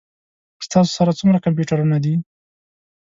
ستاسو سره څومره کمپیوټرونه دي؟